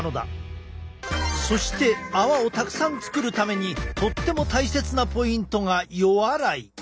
そして泡をたくさん作るためにとっても大切なポイントが予洗い。